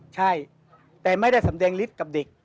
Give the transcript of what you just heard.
ใช่แต่ไม่ได้สำแดงฤทธิ์กับเด็ก